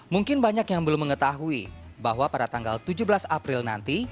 mungkin banyak yang belum mengetahui bahwa pada tanggal tujuh belas april nanti